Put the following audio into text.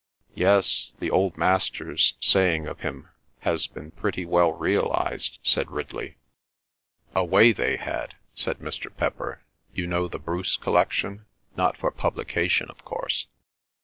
"Yes, the old Master's saying of him has been pretty well realised," said Ridley. "A way they had," said Mr. Pepper. "You know the Bruce collection?—not for publication, of course."